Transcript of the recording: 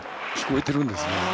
聞こえているんですね。